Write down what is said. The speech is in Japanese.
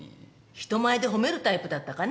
人前で褒めるタイプだったかね？